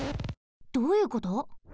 どういうこと？